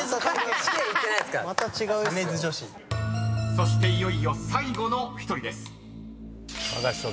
［そしていよいよ最後の１人です］